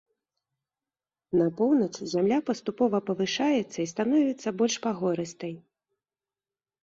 На поўнач зямля паступова павышаецца і становіцца больш пагорыстай.